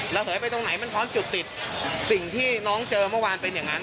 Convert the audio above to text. เหยไปตรงไหนมันพร้อมจุดติดสิ่งที่น้องเจอเมื่อวานเป็นอย่างนั้น